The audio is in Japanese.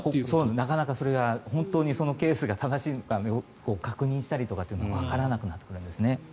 なかなかそれが本当にそのケースが正しいのか確認したりとかっていうのがわからなくなってくるんですね。